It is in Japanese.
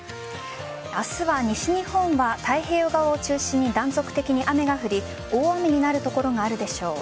明日は西日本は太平洋側を中心に断続的に雨が降り大雨になる所があるでしょう。